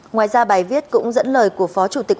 ngoài ra bài viết cũng dẫn lời của phó chủ tịch